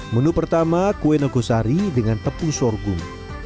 menu pertama kue nogosari dengan tepung sorghum